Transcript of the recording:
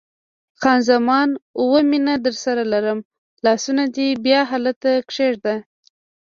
خان زمان: اوه، مینه درسره لرم، لاسونه دې بیا هلته کښېږده.